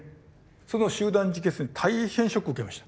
その集団自決に大変ショックを受けました。